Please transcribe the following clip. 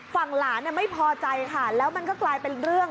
ฝั่งหลานไม่พอใจค่ะแล้วมันก็กลายเป็นเรื่อง